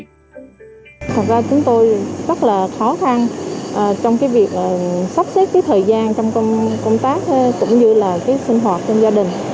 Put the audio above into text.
thật ra chúng tôi rất là khó khăn trong việc sắp xếp thời gian trong công tác cũng như sinh hoạt trong gia đình